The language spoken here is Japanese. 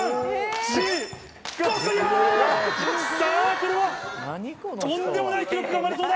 これはとんでもない記録が生まれそうだ！